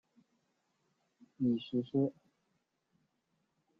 已实施。